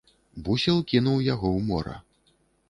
Бусел кінуў яго ў мора.